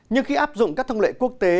nhưng khi áp dụng các thông lệ quốc tế